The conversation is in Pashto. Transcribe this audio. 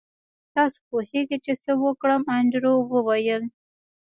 تاسو پوهیږئ چې څه وکړم انډریو وویل